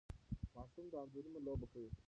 ماشومان د انځورونو لوبه کوي.